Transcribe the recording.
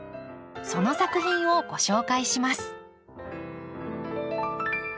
その作品をご紹介します。